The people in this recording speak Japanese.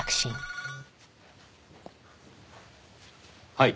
はい。